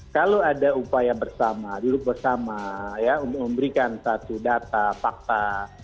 kalau ada upaya bersama duduk bersama memberikan satu data fakta